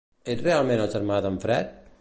Ets realment el germà d'en Fred?